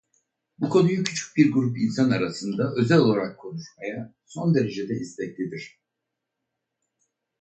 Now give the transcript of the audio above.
Bu konuyu küçük bir grup insan arasında özel olarak konuşmaya son derece de isteklidir.